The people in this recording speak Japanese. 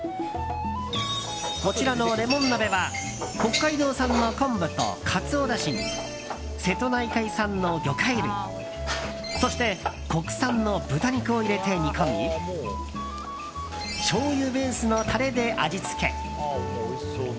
こちらのレモン鍋は北海道産の昆布とカツオだしに瀬戸内海産の魚介類そして国産の豚肉を入れて煮込みしょうゆベースのタレで味付け。